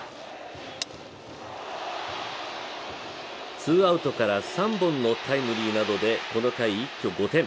ツーアウトから３本のタイムリーなどでこの回一挙５点。